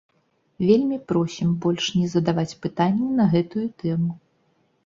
Вельмі просім больш не задаваць пытанні на гэтую тэму.